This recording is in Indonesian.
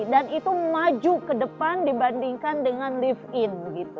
dan itu maju ke depan dibandingkan dengan live in